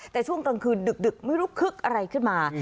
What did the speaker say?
แต่ช่วงกลางคืนดึกไม่รู้คึกอะไรขึ้นมา